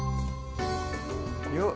よっ！